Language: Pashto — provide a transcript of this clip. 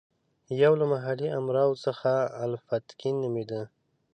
یو له محلي امراوو څخه الپتکین نومېده.